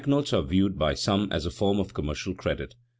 _Bank notes are viewed by some as a form of commercial credit.